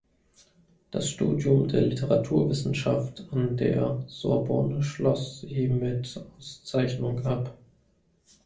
Das Studium der Literaturwissenschaft an der Sorbonne schloss sie mit Auszeichnung ab.